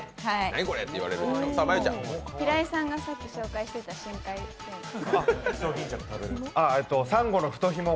平井さんがさっき紹介していた深海生物。